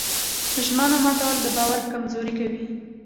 ژمنه ماتول د باور کمزوري کوي.